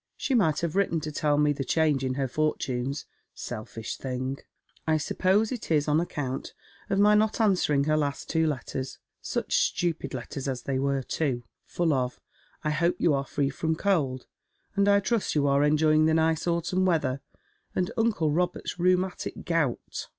She might have written to tell me the change in her fortunes — selfish thing. I suppose it is on account of my not tnswering her last two letters — such stupid letters as they were too — full of * I hope you are free from cold,' and ' I trust you are enjoying the nice autumn weather' — and uncle Robert's rheu matic gout."